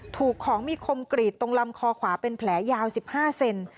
ถูกของมีคมกรีดตรงลำคอขวาเป็นแผลยาว๑๕เซน